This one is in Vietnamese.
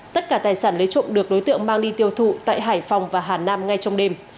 tất cả tài sản lấy trộm được đối tượng mang đi tiêu thụ tại hải phòng và hà nam ngay trong đêm